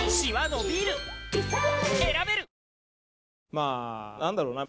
まぁ何だろうな。